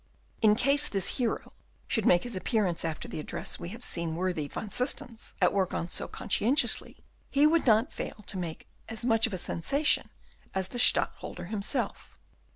In case this hero should make his appearance after the address we have seen worthy Van Systens at work on so conscientiously, he would not fail to make as much of a sensation as the Stadtholder himself.